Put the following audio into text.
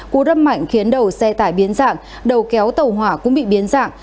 cú râm mảnh khiến đầu xe tải biến dạng đầu kéo tàu hỏa cũng bị biến dạng